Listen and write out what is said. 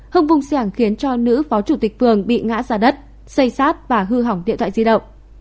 hưng vung xe hàng khiến cho nữ phó chủ tịch phường bị ngã ra đất xây xát và hư hỏng điện thoại di động